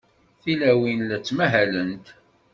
Tilawin la ttmahalent.